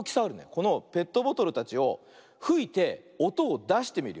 このペットボトルたちをふいておとをだしてみるよ。